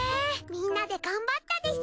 みんなで頑張ったです！